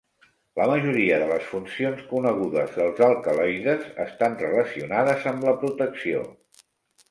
La majoria de les funcions conegudes dels alcaloides estan relacionades amb la protecció.